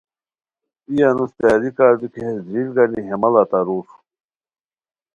ای انوس تیاری کاردو کی ہیس دریل گانی ہے ماڑہ تارور